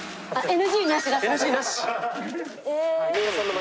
ＮＧなし！